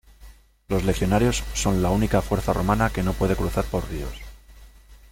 Los legionarios son la única fuerza romana que no puede cruzar por ríos.